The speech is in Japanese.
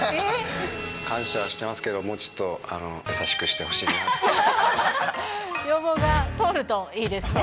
感謝はしてますけど、もうちょっと優しくしてほしいなって。